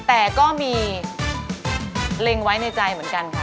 แต่ก็มีเล็งไว้ในใจเหมือนกันค่ะ